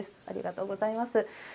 ありがとうございます。